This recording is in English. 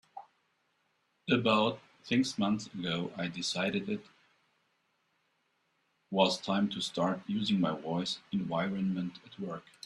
About six months ago, I decided it was time to start using my voice environment at work.